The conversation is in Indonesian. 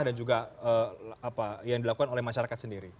dan juga apa yang dilakukan oleh masyarakat sendiri